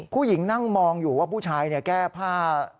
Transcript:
ผู้หญิงนั่งมองอยู่ว่าผู้ชายแก้ผ้า